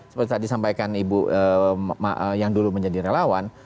seperti tadi sampaikan ibu yang dulu menjadi relawan